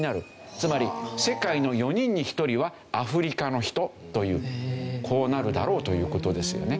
つまり世界の４人に１人はアフリカの人というこうなるだろうという事ですよね。